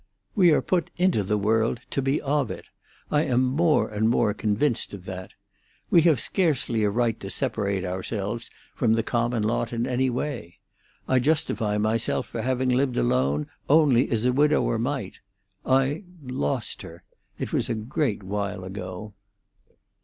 "We are put into the world to be of it. I am more and more convinced of that. We have scarcely a right to separate ourselves from the common lot in any way. I justify myself for having lived alone only as a widower might. I—lost her. It was a great while ago."